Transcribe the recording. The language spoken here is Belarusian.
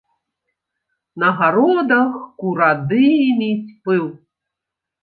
На гародах курадыміць пыл.